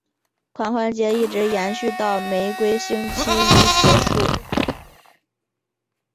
狂欢节一直延续到玫瑰星期一结束。